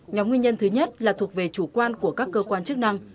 nhóm nguyên nhân thứ nhất là thuộc về chủ quan của các cơ quan chức năng